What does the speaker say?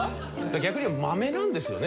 逆に言えばマメなんですよね